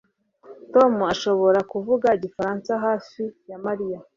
Tom ashobora kuvuga igifaransa hafi ya Mariya